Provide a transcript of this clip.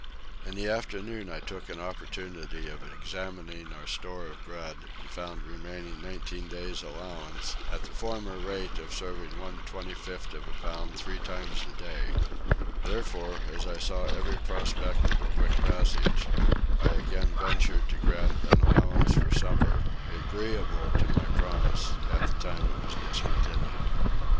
In the afternoon I took an opportunity of examining our store of bread, and found remaining 19 days allowance, at the former rate of serving one 25th of a pound three times a day: therefore, as I saw every prospect of a quick passage, I again ventured to grant an allowance for supper, agreeable to my promise at the time it was discontinued.